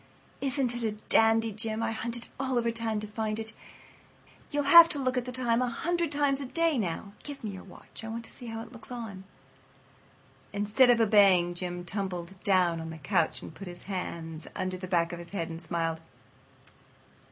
"Isn't it a dandy, Jim? I hunted all over town to find it. You'll have to look at the time a hundred times a day now. Give me your watch. I want to see how it looks on it." Instead of obeying, Jim tumbled down on the couch and put his hands under the back of his head and smiled.